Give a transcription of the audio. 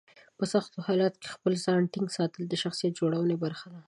په سختو حالاتو کې د خپل ځان ټینګ ساتل د شخصیت جوړونې برخه ده.